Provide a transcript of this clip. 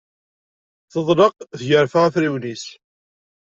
Teḍleq tgerfa afriwen-is.